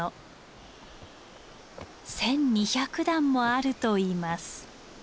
１，２００段もあるといいます。